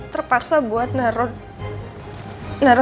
terpaksa buat naro